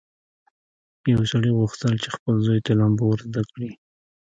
یو سړي غوښتل چې خپل زوی ته لامبو ور زده کړي.